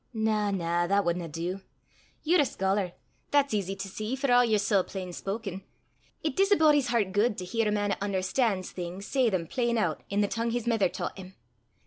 "Na, na, that wadna do. Ye're a scholar that's easy to see, for a' ye're sae plain spoken. It dis a body's hert guid to hear a man 'at un'erstan's things say them plain oot i' the tongue his mither taucht him.